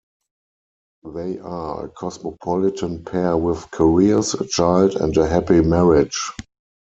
They are a cosmopolitan pair with careers, a child, and a happy marriage.